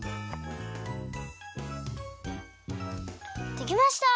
できました！